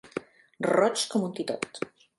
Roig com un titot.